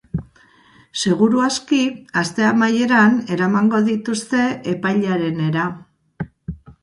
Seguru aski, aste amaieran eramango dituzte epailearenera.